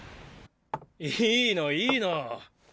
いいのいいの。